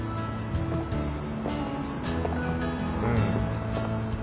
うん。